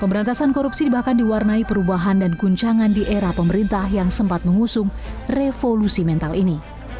pemberantasan korupsi bahkan diwarnai perubahan dan guncangan di era pemerintah yang sempat mengusung revolusi mental ini